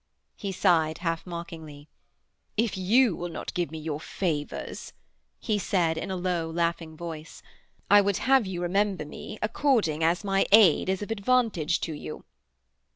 He sighed, half mockingly. 'If you will not give me your favours,' he said in a low, laughing voice, 'I would have you remember me according as my aid is of advantage to you.'